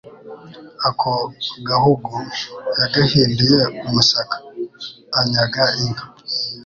ako gahugu yagahinduye umusaka, anyaga inka,